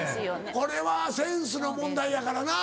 これはセンスの問題やからな。